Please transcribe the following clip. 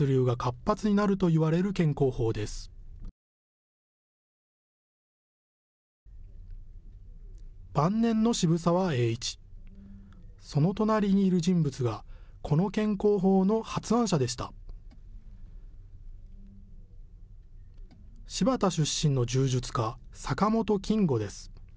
新発田出身の柔術家、坂本謹吾です。